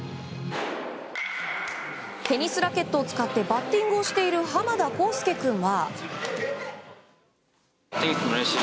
テニスラケットを使ってバッティングをしている濱田浩輔君は。